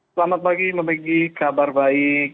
selamat pagi mbak megi kabar baik